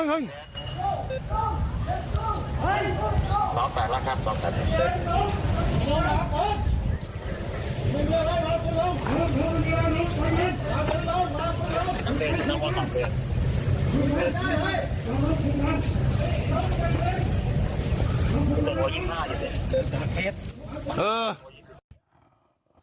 สองแปลกแล้วครับสองแปลก